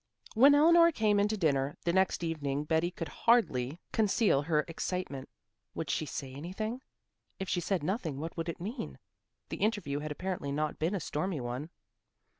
When Eleanor came in to dinner the next evening Betty could hardly conceal her excitement. Would she say anything? If she said nothing what would it mean? The interview had apparently not been a stormy one.